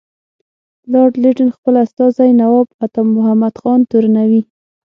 لارډ لیټن خپل استازی نواب عطامحمد خان تورنوي.